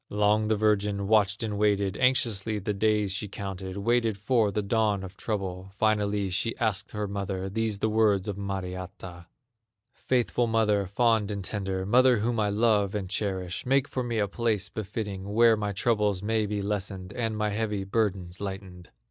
Long the virgin watched and waited, Anxiously the days she counted, Waiting for the dawn of trouble. Finally she asked her mother, These the words of Mariatta: "Faithful mother, fond and tender, Mother whom I love and cherish, Make for me a place befitting, Where my troubles may be lessened, And my heavy burdens lightened."